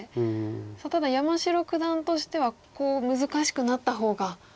さあただ山城九段としては難しくなった方が。